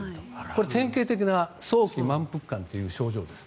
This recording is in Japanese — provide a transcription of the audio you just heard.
これは典型的な早期満腹感という症状です。